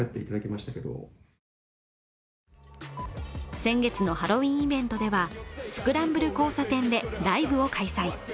先月のハロウィーンイベントではスクランブル交差点でライブを開催